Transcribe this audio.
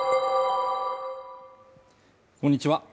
こんにちは